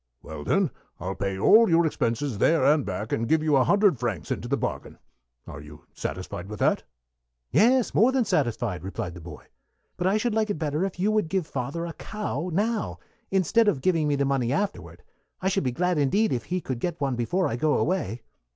"Well, then, I'll pay all your expenses there and back, and give you a hundred francs into the bargain. Are you satisfied with that?" "Yes, more than satisfied," replied the boy. "But I should like it better if you would give father a cow now, instead of giving me the money afterward. I should be glad indeed if he could get one before I go away."